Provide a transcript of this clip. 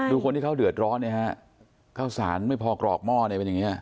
ดูคนที่เขาเดือดร้อนไงฮะเข้าสารไม่พอกรอกมอดไงเป็นอย่างนี้ฮะ